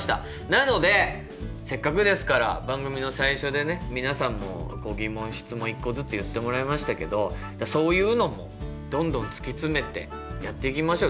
なのでせっかくですから番組の最初でね皆さんも疑問質問１個ずつ言ってもらいましたけどそういうのもどんどん突き詰めてやっていきましょう。